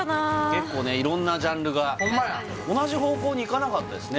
結構ね色んなジャンルがホンマや同じ方向にいかなかったですね